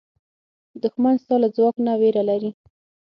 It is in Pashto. دښمن ستا له ځواک نه وېره لري